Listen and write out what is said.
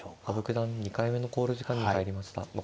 羽生九段２回目の考慮時間に入りました。